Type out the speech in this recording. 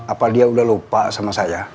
apa dia udah lupa sama saya